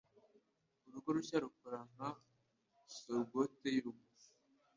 Urugo rushya rukora nka surrogate yurugo.